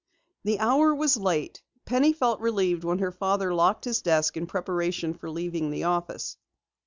The hour was late. Penny felt relieved when her father locked his desk in preparation for leaving the office.